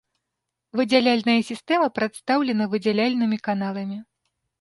Выдзяляльная сістэма прадстаўлена выдзяляльнымі каналамі.